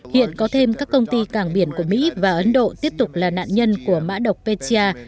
hiện có thêm các công ty cảng biển của mỹ và ấn độ tiếp tục là nạn nhân của mã độc petia